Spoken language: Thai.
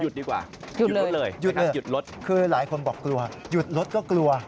ดีกว่าหยุดรถเลยหยุดนะหยุดรถคือหลายคนบอกกลัวหยุดรถก็กลัว